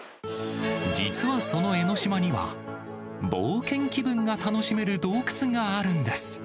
実はその江の島には、冒険気分が楽しめる洞窟があるんです。